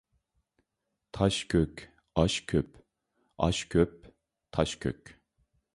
تاش كۆك، ئاش كۆپ، ئاش كۆپ، تاش كۆك.